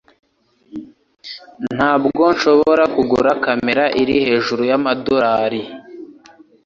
Ntabwo nshobora kugura kamera iri hejuru yamadorari .